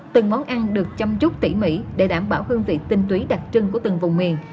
từng món ăn được chăm chút tỉ mỉ để đảm bảo hương vị tinh túy đặc trưng của từng vùng miền